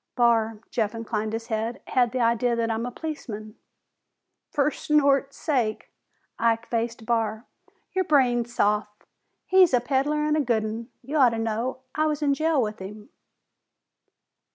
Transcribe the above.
"Barr," Jeff inclined his head, "had the idea that I'm a policeman." "Fer snort's sake!" Ike faced Barr. "Your brain soft? He's a peddler an' a good 'un. I ought to know. I was in jail with him."